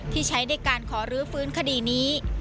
ที่ใช้ในการขอรื้อฟื้นคดีนี้